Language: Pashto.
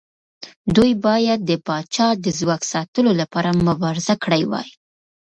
دوی باید د پاچا د ځواک ساتلو لپاره مبارزه کړې وای.